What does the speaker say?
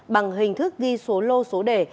bằng hình thức ghi số lô số đề